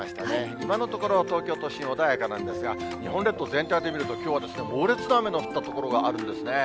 今のところ、東京都心、穏やかなんですが、日本列島全体で見ると、きょうは猛烈な雨の降った所があるんですね。